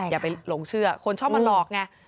อย่าไปหลงเชื่อคนชอบมาหลอกไง